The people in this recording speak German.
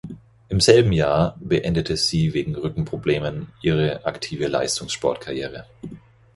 Im selben Jahr beendete sie wegen Rückenproblemen ihre aktive Leistungssportkarriere.